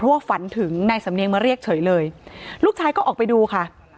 เพราะว่าฝันถึงนายสำเนียงมาเรียกเฉยเลยลูกชายก็ออกไปดูค่ะ